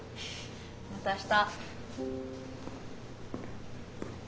また明日。